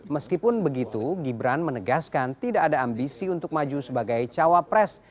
meskipun begitu gibran menegaskan tidak ada ambisi untuk maju sebagai cawapres